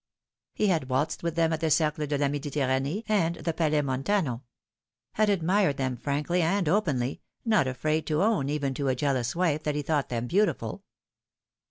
He had waltzed with them at the Gercle de Is. Mediterrauee and the Palais 270 The Fatal Three. Montano ; had admired them frankly and openly, not afraid to own even to a jealous wife that he thought them beautiful.